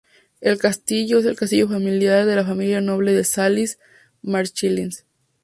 El castillo es el castillo familiar de la familia noble de Salis-Marschlins.